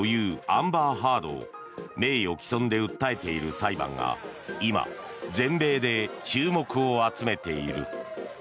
アンバー・ハードを名誉棄損で訴えている裁判が今、全米で注目を集めている。